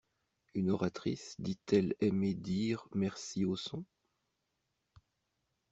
Une oratrice dit-elle aimer dire merci aux sons?